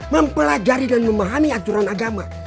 mempelajari dan memahami aturan agama